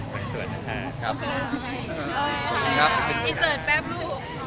ครับอีกครั้งแล้วปั๊บดังอีกครั้งแล้ว